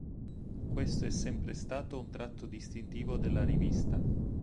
Questo è sempre stato un tratto distintivo della rivista.